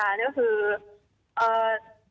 เพราะว่าตอนหนูอยู่ข้างในหนูไม่สามารถทำอะไรเองได้เลย